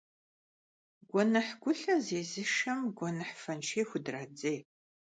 Гуэныхь гулъэ зезышэм гуэныхь фэншей худрадзей.